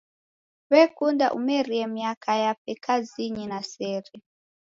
W'ekunda umerie miaka yape kazinyi na sere.